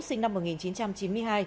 sinh năm một nghìn chín trăm chín mươi hai